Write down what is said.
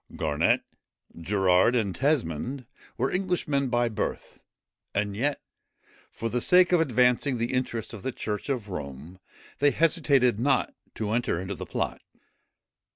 Garnet, Gerard, and Tesmond, were Englishmen by birth; and yet, for the sake of advancing the interests of the church of Rome, they hesitated not to enter into the plot.